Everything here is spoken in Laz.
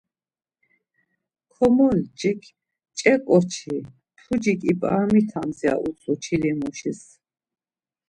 Komocik “Ç̌e ǩoçi, pucik ip̌aramitams.” ya utzu çilimuşis.